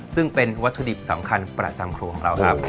ซึ่งเป็นวัตถุดิบสำคัญประจำครัวของเราครับ